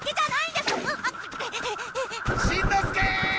しんのすけーっ！